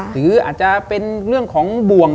หรืออาจจะเป็นเรื่องของบ่วง